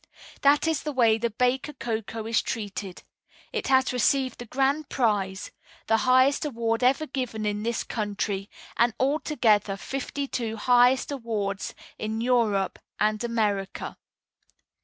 That is the way the Baker Cocoa is treated. It has received the Grand Prize the highest award ever given in this country, and altogether 52 highest awards in Europe and America.